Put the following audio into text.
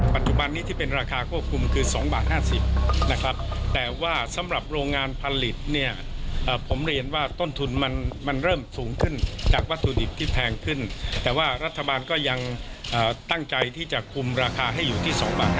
ปัจจุบันนี้ที่เป็นราคาควบคุมคือ๒บาท๕๐นะครับแต่ว่าสำหรับโรงงานผลิตเนี่ยผมเรียนว่าต้นทุนมันเริ่มสูงขึ้นจากวัตถุดิบที่แพงขึ้นแต่ว่ารัฐบาลก็ยังตั้งใจที่จะคุมราคาให้อยู่ที่๒บาท